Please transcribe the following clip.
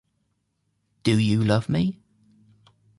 Do You Love Me?